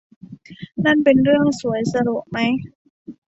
นั่นเป็นเรื่องสวย สะดวกไหม